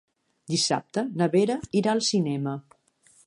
Dissabte na Vera irà al cinema.